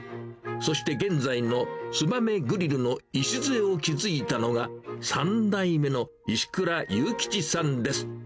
そして、現在のつばめグリルの礎を築いたのが、３代目の石倉悠吉さんです。